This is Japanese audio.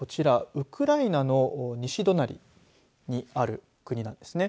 ウクライナの西隣にある国なんですね。